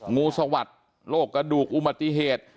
งูสวัสดิ์โรคกระดูกอุบัติเหตุ